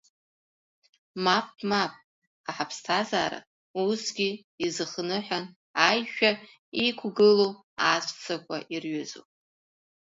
Мап, мап, ҳа ҳаԥсҭазаара усгьы изыхныҳәан аишәа иқәгылоу аҵәцақәа ирҩызоуп.